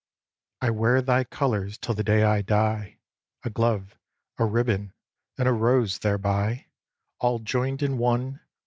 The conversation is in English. viii. I wear thy colours till the day I die: A glove, a ribbon, and a rose thereby, All join'd in one.